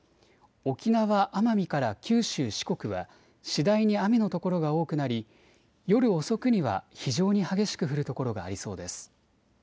沖縄・奄美から九州、四国は次第に雨の所が多くなり夜遅くには非常に激しく降る所がありそうです。